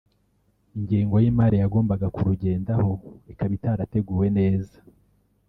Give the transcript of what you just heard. ingengo y’imari yagombaga kurugendaho ikaba itarateguwe neza